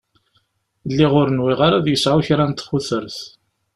Lliɣ ur nwiɣ ara ad yesεu kra n txutert.